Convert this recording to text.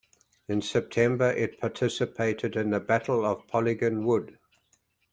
In September it participated in the Battle of Polygon Wood.